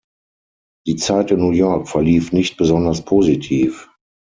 Die Zeit in New York verlief nicht besonders positiv.